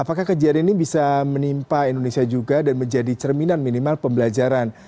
apakah kejadian ini bisa menimpa indonesia juga dan menjadi cerminan minimal pembelajaran